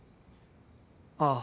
ああ。